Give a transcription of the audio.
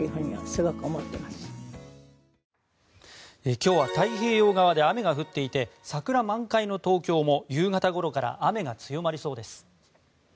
今日は太平洋側で雨が降っていて桜満開の東京も夕方ごろから雨が強まりそうです。